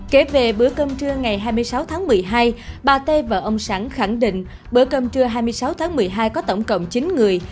kể về bữa cơm trưa ngày hai mươi sáu tháng một mươi hai bà t và ông sẵn khẳng định bữa cơm trưa hai mươi sáu tháng một mươi hai có tổng cộng chín người